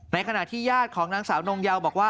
ขณะที่ญาติของนางสาวนงเยาบอกว่า